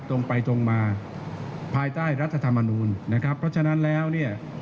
ตรงไปตรงมาภายใต้รัฐธรรมนูลนะครับเพราะฉะนั้นแล้วเนี่ย